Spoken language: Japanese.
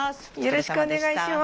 よろしくお願いします